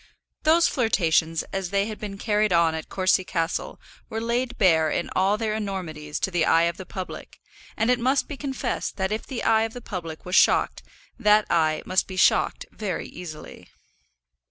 Those flirtations, as they had been carried on at Courcy Castle, were laid bare in all their enormities to the eye of the public, and it must be confessed that if the eye of the public was shocked, that eye must be shocked very easily.